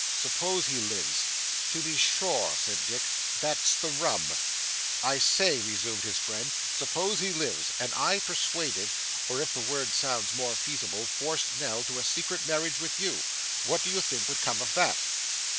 'Suppose he lives.' 'To be sure,' said Dick. 'There's the rub.' 'I say,' resumed his friend, 'suppose he lives, and I persuaded, or if the word sounds more feasible, forced Nell to a secret marriage with you. What do you think would come of that?